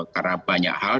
karena banyak hal